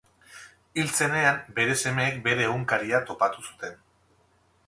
Hil zenean, bere semeek bere egunkaria topatu zuten.